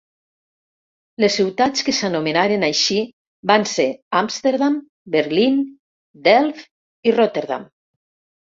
Les ciutats que s'anomenaren així van ser Amsterdam, Berlín, Delft i Rotterdam.